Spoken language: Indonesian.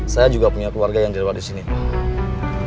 saya juga punya keluarga yang direwat disini pak